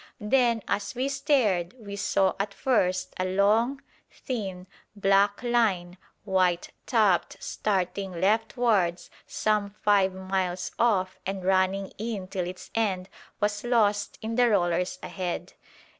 Then, as we stared, we saw at first a long, thin, black line, white topped, starting leftwards some five miles off and running in till its end was lost in the rollers ahead.